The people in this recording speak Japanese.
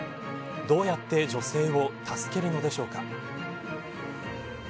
どうやって女性を助けるのでしょうか。